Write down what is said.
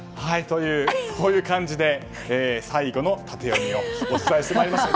こういう感じで最後のタテヨミをお伝えしました。